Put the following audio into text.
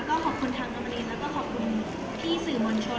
ก็ขอบคุณทางอมรินแล้วก็ขอบคุณพี่สื่อมวลชน